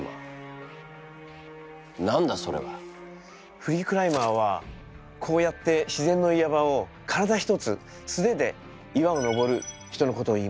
フリークライマーはこうやって自然の岩場を体ひとつ素手で岩を登る人のことをいいます。